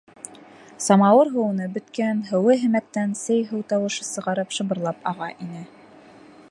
Самауыр һыуынып бөткән, һыуы һемәктән сей һыу тауышы сығарып шыбырлап аға ине.